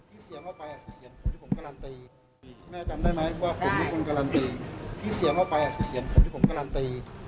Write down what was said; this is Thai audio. แม่จำได้ไหมว่าผมไม่ควรการันตีที่เสียงว่าไปคือเสียงผมที่ผมการันตี